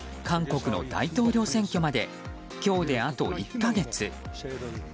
韓国の大統領選挙まで今日であと１か月。